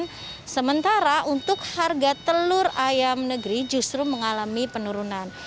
dan sementara untuk harga telur ayam negeri justru mengalami penurunan